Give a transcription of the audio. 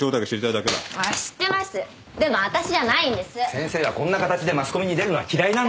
先生はこんな形でマスコミに出るのは嫌いなんだよ。